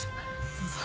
どうぞ